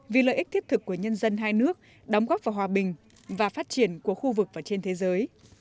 vì lợi ích thiết thực của nhân dân hai nước đóng góp vào hòa bình và phát triển của khu vực và trên thế giới